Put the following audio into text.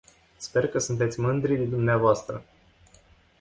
Sper că sunteți mândri de dvs.